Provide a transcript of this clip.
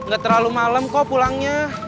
gak terlalu malam kok pulangnya